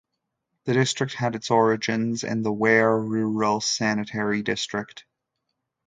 The district had its origins in the Ware Rural Sanitary District.